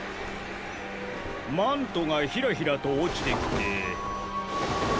マントがひらひらとおちてきて。